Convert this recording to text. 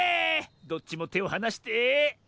どっちもてをはなして。